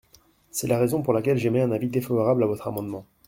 C’est la raison pour laquelle j’émets un avis défavorable à votre amendement.